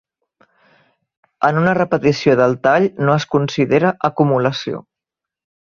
En una repetició del tall no es considera acumulació.